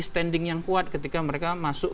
standing yang kuat ketika mereka masuk